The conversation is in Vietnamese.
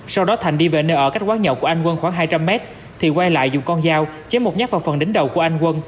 sau đó thành đi về nơi ở cách quán nhậu của anh quân khoảng hai trăm linh mét thì quay lại dùng con dao chém một nhát vào phần đính đầu của anh quân